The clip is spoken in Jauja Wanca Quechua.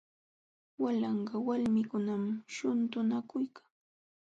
Walanqa walmikunam shuntunakuykan.